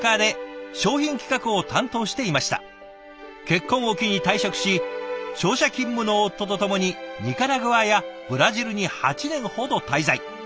結婚を機に退職し商社勤務の夫と共にニカラグアやブラジルに８年ほど滞在。